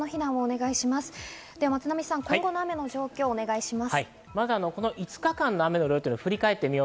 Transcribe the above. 今後の雨の状況をお願いします。